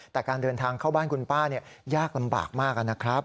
แต่การเดินทางเข้าบ้านคุณป้ายากลำบากมากนะครับ